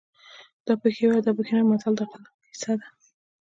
دا پکې وو او دا پکې نه وو متل د غل کیسه ده